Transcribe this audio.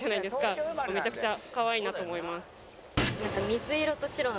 めちゃくちゃ可愛いなと思います。